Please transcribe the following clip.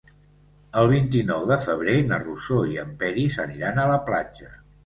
El vint-i-nou de febrer na Rosó i en Peris aniran a la platja.